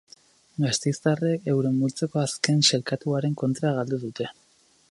Gasteiztarrek euren multzoko azken sailkatuaren kontra galdu dute.